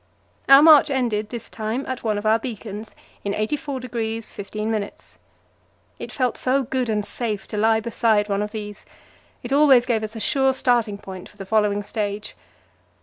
Our march ended this time at one of our beacons, in 84° 15'. It felt so good and safe to lie beside one of these; it always gave us a sure starting point for the following stage.